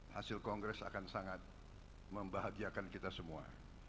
hasil kongres akan sangat membahagiakan kita semua